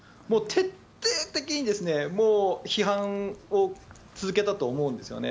もう徹底的に批判を続けたと思うんです。